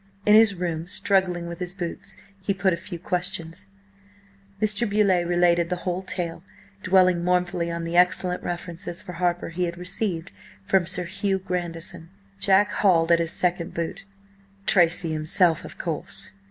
In his room, struggling with his boots, he put a few questions. Mr. Beauleigh related the whole tale, dwelling mournfully on the excellent references for Harper he had received from Sir Hugh Grandison. Jack hauled at his second boot. "Tracy himself, of course!"